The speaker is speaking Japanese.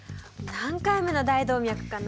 何回目の「大動脈」かな。